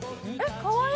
かわいい。